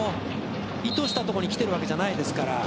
意図したところに来ているわけじゃないですから。